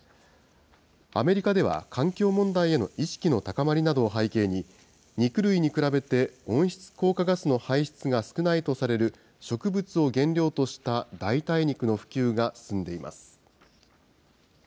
アメリカでは環境問題への意識の高まりなどを背景に、肉類に比べて温室効果ガスの排出が少ないとされる植物を原料とした代替肉の普及が進んでいます。